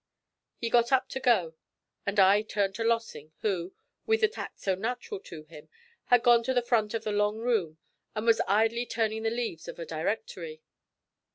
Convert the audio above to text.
He got up to go, and I turned to Lossing, who, with the tact so natural to him, had gone to the front of the long room, and was idly turning the leaves of a directory.